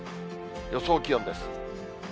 予想気温です。